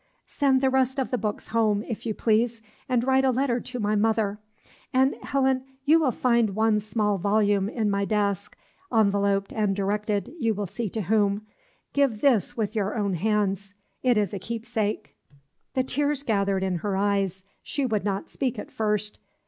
Send the rest of the books home, if you please, and write a letter to my mother. And, Helen, you will find one small volume in my desk enveloped and directed, you will see to whom; give this with your own hands; it is a keepsake." The tears gathered in her eyes; she could not speak at first.